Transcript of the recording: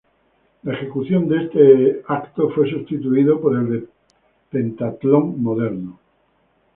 La ejecución de este evento fue sustituido por el de Pentatlón moderno.